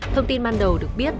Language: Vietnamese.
thông tin ban đầu được biết